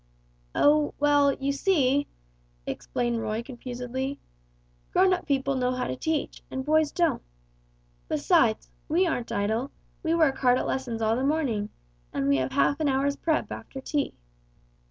"Oh, well, you see," explained Roy, confusedly; "grown up people know how to teach, and boys don't. Besides, we aren't idle, we work hard at lessons all the morning, and we have half an hour's prep after tea."